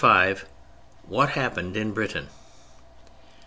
V WHAT HAPPENED IN BRITAIN?